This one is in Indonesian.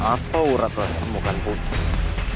apa uratmu yang bukan putus